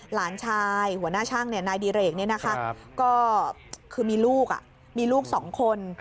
หลานชายหัวหน้าช่างนายดีเรกมีลูก๒คน